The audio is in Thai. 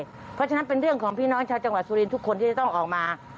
เพราะฉะนั้นเป็นเรื่องของพี่น้องชาวจังหวัดสุรินททุกคนที่จะต้องออกมา